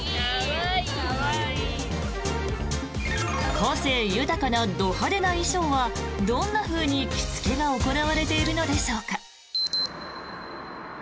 個性豊かな、ど派手な衣装はどんなふうに着付けが行われているのでしょうか。